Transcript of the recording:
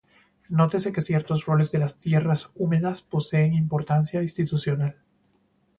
Nótese que ciertos roles de las tierras húmedas poseen importancia institucional.